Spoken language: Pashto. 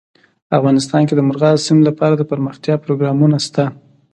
افغانستان کې د مورغاب سیند لپاره دپرمختیا پروګرامونه شته.